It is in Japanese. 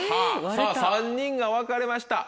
さぁ３人が分かれました。